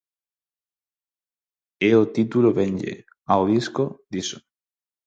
E o título venlle, ao disco, diso.